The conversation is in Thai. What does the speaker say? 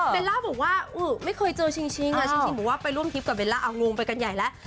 ล่าบอกว่าไม่เคยเจอชิงชิงบอกว่าไปร่วมทริปกับเบลล่าเอางงไปกันใหญ่แล้ว